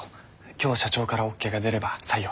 今日社長からオーケーが出れば採用。